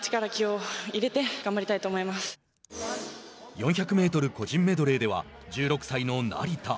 ４００メートル個人メドレーでは１６歳の成田。